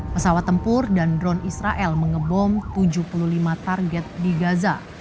pesawat tempur dan drone israel mengebom tujuh puluh lima target di gaza